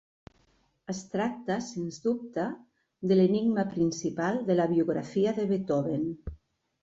Es tracta, sens dubte, de l'enigma principal de la biografia de Beethoven.